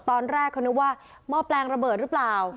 ตอนแรกเขานึกว่าหม้อแปลงระเบิดหรือเปล่า